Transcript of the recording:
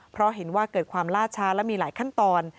เพราะเห็นว่าเกิดความล่าช้าและมีหลายขั้นตอน